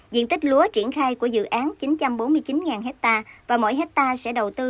diện tích lúa triển khai của dự án chín trăm bốn mươi chín ha và mỗi hectare sẽ đầu tư